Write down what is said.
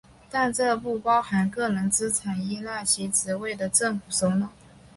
但这不包含个人资产依赖其职位的政府首脑。